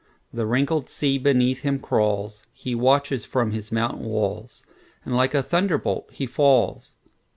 The wrinkled sea beneath him crawls; He watches from his mountain walls, And like a thunderbolt he falls.